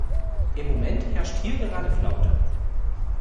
Im Moment herrscht hier gerade Flaute.